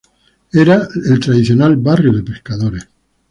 Era el tradicional barrio de pescadores.